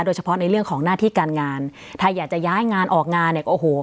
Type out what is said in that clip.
โดยเฉพาะในเรื่องของหน้าที่การงานถ้าอยากจะย้ายงานออกงานเนี่ยโอ้โห